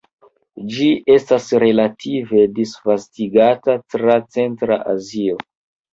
Ĝi estas relative disvastigata tra centra Azio.